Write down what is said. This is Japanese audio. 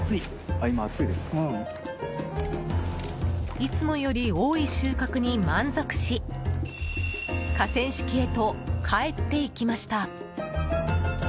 いつもより多い収穫に満足し河川敷へと帰っていきました。